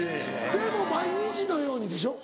でも毎日のようにでしょ？